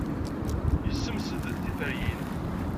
Yessemsed tiferyin.